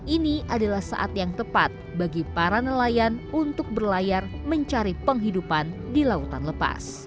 ini adalah saat yang tepat bagi para nelayan untuk berlayar mencari penghidupan di lautan lepas